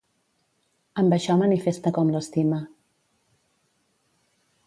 Amb això manifesta com l'estima.